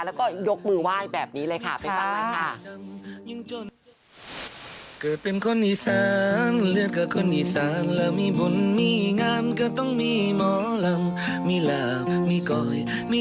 แล้วก็ยกมือไหว้แบบนี้เลยค่ะไปฟังเลยค่ะ